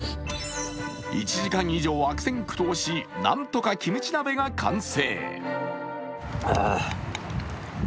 すると、ようやく１時間以上悪戦苦闘しなんとかキムチ鍋が完成。